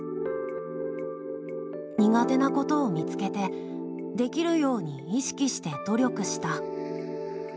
「苦手なことを見つけてできるように意識して努力した」。